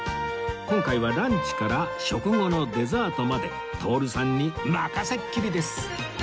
今回はランチから食後のデザートまで徹さんに任せっきりです